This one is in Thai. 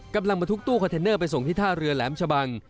กำลังมาทุกตู้คอนเทนเนอร์ไปส่งที่ท่าเรือแหลมชะบัง